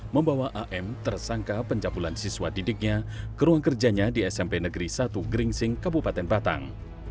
membawa am tersangka pencabulan siswa didiknya ke ruang kerjanya di smp negeri satu geringsing kabupaten batang